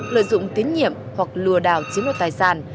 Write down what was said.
lợi dụng tín nhiệm hoặc lừa đảo chiếm đoạt tài sản